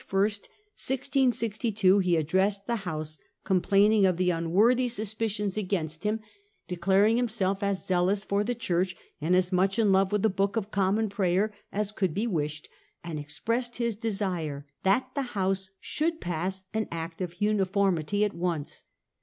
On March 1, 1662, he addressed the House, complained of the unworthy suspicions against him, declared himself as zealous for the Church and as much ' in love with the Book of Common Prayer* as could be wished, and expressed his desire that the House should pass an Act of Uniformity at once.